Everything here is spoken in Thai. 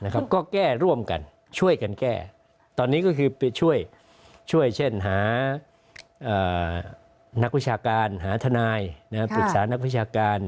ก็แก้ร่วมกันช่วยกันแก้ตอนนี้ก็คือไปช่วยเช่นหานักวิชาการหาทนายปรึกษานักวิชาการ